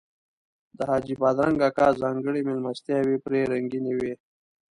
د حاجي بادرنګ اکا ځانګړي میلمستیاوې پرې رنګینې وې.